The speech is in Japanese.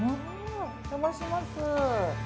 お邪魔します。